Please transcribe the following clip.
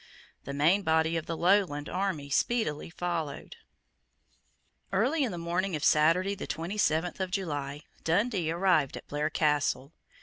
The main body of the Lowland army speedily followed, Early in the morning of Saturday the twenty seventh of July, Dundee arrived at Blair Castle.